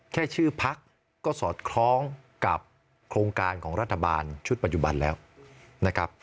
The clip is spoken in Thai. ชื่อพักก็สอดคล้องกับโครงการของรัฐบาลชุดปัจจุบันแล้วนะครับ